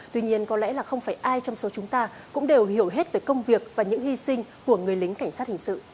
tuy nhiên có lẽ là không phải ai trong số chúng ta cũng đều hiểu hết về công việc và những hy sinh của người lính cảnh sát hình sự